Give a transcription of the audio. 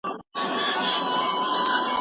کوچنۍ سیارې د ځمکې جاذبه په محدوده توګه احساسوي.